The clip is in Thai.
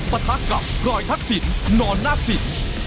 ประทักกับพรอยทักษิตนอนนักศิษย์